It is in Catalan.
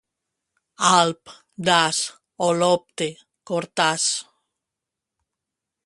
Alp, Das, Olopte, Cortàs.